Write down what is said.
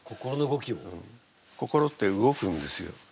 心って動くんですよ。